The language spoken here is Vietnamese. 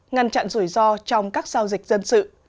ngăn chặn rủi ro trong các giao dịch dân sự